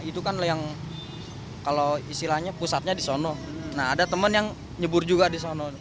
itu kan yang kalau istilahnya pusatnya di sana nah ada teman yang nyebur juga di sana